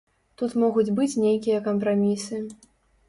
Тут могуць быць нейкія кампрамісы.